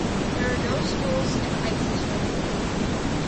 There are no schools in Isis River.